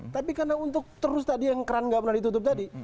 tapi karena untuk terus tadi yang keran nggak pernah ditutup tadi